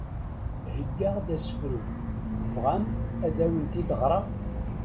Heggaɣ-d asefru, tebɣam ad awen-t-id-ɣreɣ?